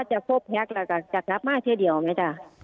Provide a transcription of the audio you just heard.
จะกลับมาเท่าเดียวไหมจ้ะ